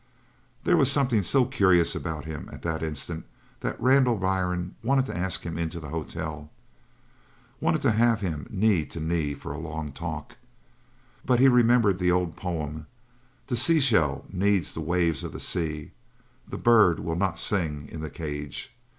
There was something so curious about him at the instant that Randall Byrne wanted to ask him into the hotel wanted to have him knee to knee for a long talk. But he remembered an old poem the sea shell needs the waves of the sea the bird will not sing in the cage.